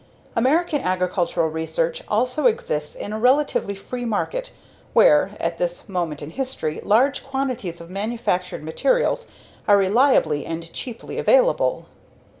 American agricultural research also exists in a relatively free market where at this moment in history, large quantities of manufactured materials are reliably and cheaply available.